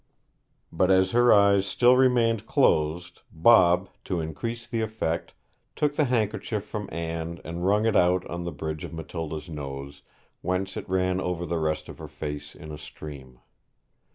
But as her eyes still remained closed, Bob, to increase the effect, took the handkerchief from Anne and wrung it out on the bridge of Matilda's nose, whence it ran over the rest of her face in a stream.